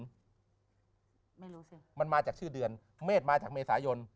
ไม่รู้สิมันมาจากชื่อเดือนเมษมาจากเมษายน